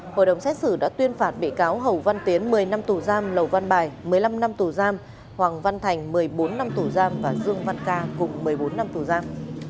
hội đồng xét xử đã tuyên phạt bị cáo hầu văn tiến một mươi năm tù giam lầu văn bài một mươi năm năm tù giam hoàng văn thành một mươi bốn năm tù giam và dương văn ca cùng một mươi bốn năm tù giam